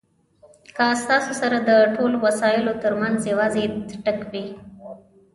که ستاسو سره د ټولو وسایلو ترمنځ یوازې څټک وي.